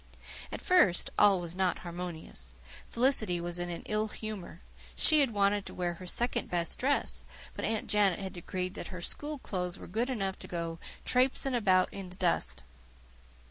At first all was not harmonious. Felicity was in an ill humour; she had wanted to wear her second best dress, but Aunt Janet had decreed that her school clothes were good enough to go "traipsing about in the dust."